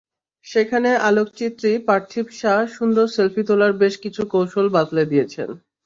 সেখানে আলোকচিত্রী পার্থিব শাহ সুন্দর সেলফি তোলার বেশ কিছু কৌশল বাতলে দিয়েছেন।